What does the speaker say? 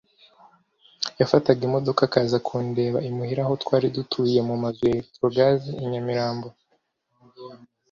yafataga imodoka akaza kundeba imuhira aho twari dutuye mu mazu ya Elecrotogaz i Nyamirambo